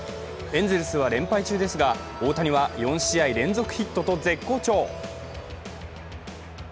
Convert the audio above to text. エンゼルスは連敗中ですが大谷は４試合連続ヒットと絶好調。